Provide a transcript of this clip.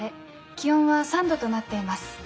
気温は３度となっています。